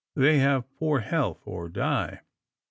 " They have poor health, or die."